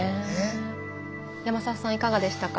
山里さんいかがでしたか？